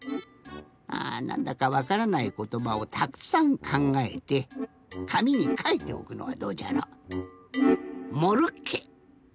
あなんだかわからないことばをたくさんかんがえてかみにかいておくのはどうじゃろ。